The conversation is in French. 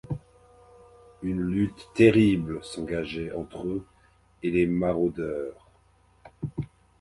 Une lutte terrible s’engageait entre eux et les maraudeurs.